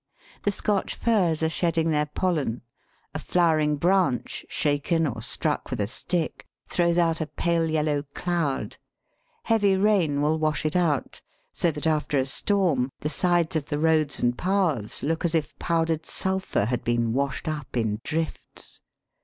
The Scotch firs are shedding their pollen; a flowering branch shaken or struck with a stick throws out a pale yellow cloud. Heavy rain will wash it out, so that after a storm the sides of the roads and paths look as if powdered sulphur had been washed up in drifts.